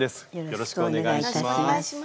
よろしくお願いします。